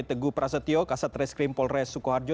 teguh prasetyo kasat reskrim polres sukoharjo